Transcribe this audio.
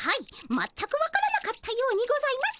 全く分からなかったようにございます。